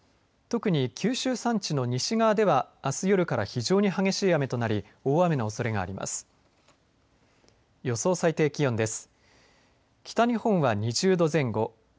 特に、九州山地の西側ではあす夜から非常に激しい雨となり大雨のおそれがあります。